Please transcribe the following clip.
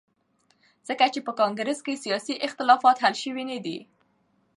ځکه چې په کانګرس کې سیاسي اختلافات حل شوي ندي.